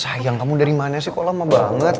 sayang kamu dari mana sih kok lama banget